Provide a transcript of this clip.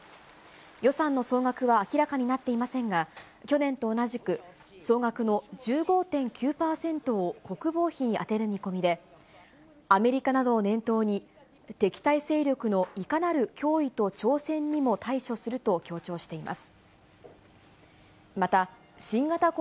予算の総額は明らかになっていませんが、去年と同じく、総額の１５．９％を国防費に充てる見込みで、アメリカなどを念頭に、敵対勢力のいかなる脅威と挑戦にも対処すると強調しています。